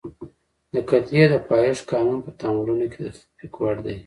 د کتلې د پایښت قانون په تعاملونو کې د تطبیق وړ دی.